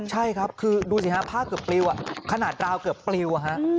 ใช่ครับคือดูสิฮะผ้าเกือบปลิวขนาดราวเกือบปลิวฮะ